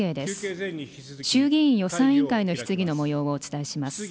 衆議院予算委員会の質疑のもようをお伝えします。